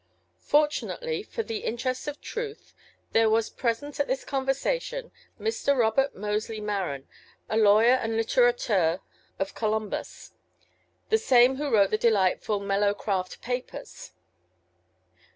ŌĆØ Fortunately for the interests of truth there was present at this conversation Mr. Robert Mosely Maren, a lawyer and litt├®rateur of Columbus, the same who wrote the delightful ŌĆ£Mellowcraft Papers.